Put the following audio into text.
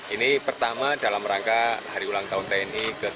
ini pertama dalam rangka hari ulang tahun tni ke tujuh puluh